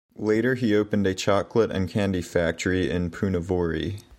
Later he opened a chocolate and candy factory in Punavuori.